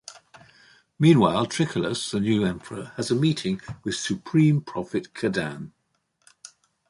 Meanwhile, Trioculus, the new Emperor has a meeting with Supreme Prophet Kadann.